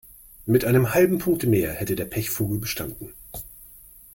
Mit einem halben Punkt mehr hätte der Pechvogel bestanden.